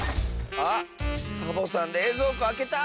あっサボさんれいぞうこあけた！